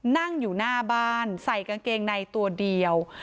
นั่งอยู่หน้าบ้านใส่กางเกงในตัวเดียว